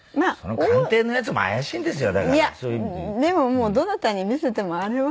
もうどなたに見せてもあれは。